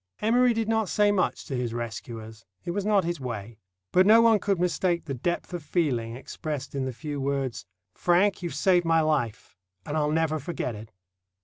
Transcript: Emory did not say much to his rescuers. It was not his way. But no one could mistake the depth of feeling expressed in the few words,— "Frank, you've saved my life, and I'll never forget it."